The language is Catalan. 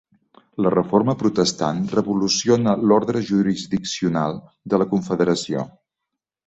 La Reforma protestant revoluciona l'ordre jurisdiccional de la Confederació.